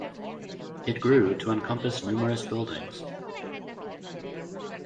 It grew to encompass numerous buildings.